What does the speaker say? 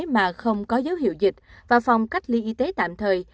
một phòng dành cho những học sinh có dấu hiệu dịch và phòng cách ly y tế tạm thời